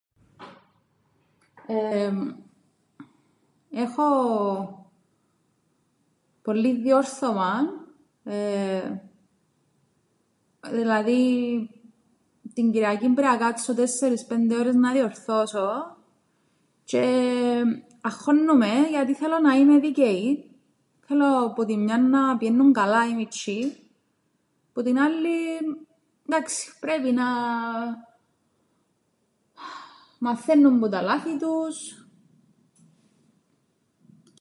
Έχω πολλύν διόρθωμαν, εεε, δηλαδή την Κυριακήν πρέπει να κάτσω τέσσερις, πέντε ώρες να διορθώσω, τζ̌αι αγχώννουμαι γιατί θέλω να είμαι δίκαιη, θέλω που την μιαν να πηαίννουν καλά οι μιτσ̌ιοί, που την άλλην ‘ντάξει, πρέπει να μαθαίννουν που τα λάθη τους.